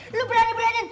lu berani berani